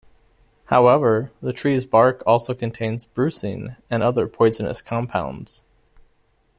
However, the tree's bark also contains brucine and other poisonous compounds.